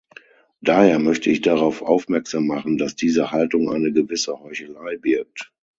Daher möchte ich darauf aufmerksam machen, dass diese Haltung eine gewisse Heuchelei birgt.